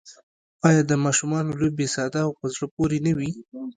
آیا د ماشومانو لوبې ساده او په زړه پورې نه وي؟